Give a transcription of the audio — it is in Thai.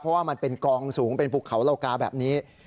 เพราะว่ามันเป็นกองสูงเป็นภูเขาเหล่ากาแบบนี้